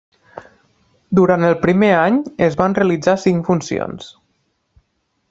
Durant el primer any es van realitzar cinc funcions.